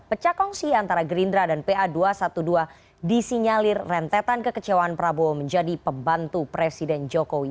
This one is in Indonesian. pecah kongsi antara gerindra dan pa dua ratus dua belas disinyalir rentetan kekecewaan prabowo menjadi pembantu presiden jokowi